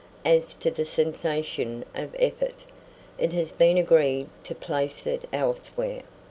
As to the sensation of effort, it has been agreed to place it elsewhere.